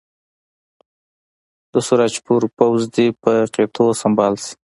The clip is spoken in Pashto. د سراج پور پوځ دې په قطعو سمبال شي.